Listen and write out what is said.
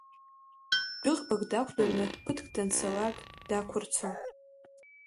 Дәыӷбак дақәтәаны ԥыҭк данцалак, дақәырцон.